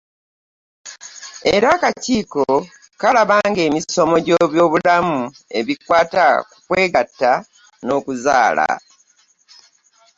Era Akakiiko kalaba ng’emisomo gy’ebyobulamu ebikwata ku kwegatta n’okuzaala.